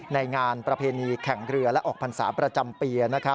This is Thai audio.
งานประเพณีแข่งเรือและออกพรรษาประจำปี